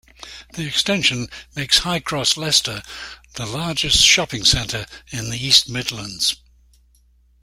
The extension makes Highcross Leicester the largest shopping centre in the East Midlands.